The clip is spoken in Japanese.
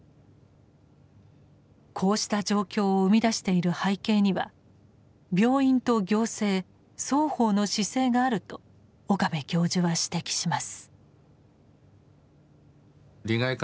こうした状況を生み出している背景には病院と行政双方の姿勢があると岡部教授は指摘します。